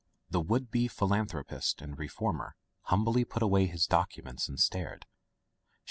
The would be philanthropist and reformer humbly put away his documents and stared.